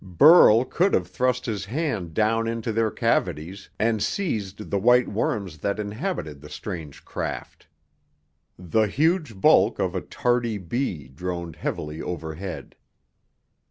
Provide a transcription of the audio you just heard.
Burl could have thrust his hand down into their cavities and seized the white worms that inhabited the strange craft. The huge bulk of a tardy bee droned heavily overhead.